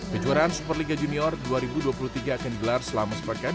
kejuaraan superliga junior dua ribu dua puluh tiga akan digelar selama sepekan